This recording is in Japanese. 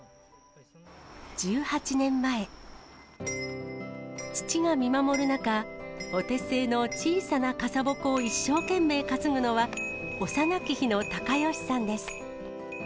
１８年前、父が見守る中、お手製の小さな傘鉾を一生懸命担ぐのは、幼き日の貴能さんです。